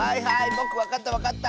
ぼくわかったわかった！